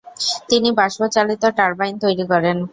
তিনি বাষ্পচালিত টারবাইন তৈরি করেন।